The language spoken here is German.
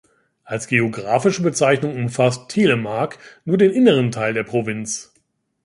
Als geographische Bezeichnung umfasst "Telemark" nur den inneren Teil der Provinz.